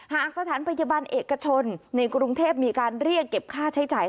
หากสถานพยาบาลเอกชนในกรุงเทพมีการเรียกเก็บค่าใช้จ่าย